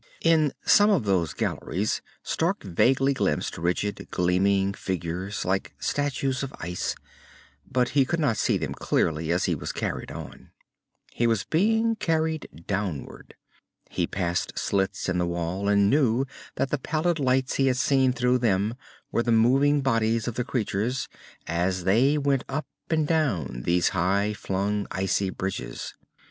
In some of those galleries, Stark vaguely glimpsed rigid, gleaming figures like statues of ice, but he could not see them clearly as he was carried on. He was being carried downward. He passed slits in the wall, and knew that the pallid lights he had seen through them were the moving bodies of the creatures as they went up and down these high flung, icy bridges.